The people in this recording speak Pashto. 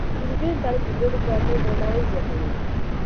د نجونو تعليم د ګډو قوانينو درناوی زياتوي.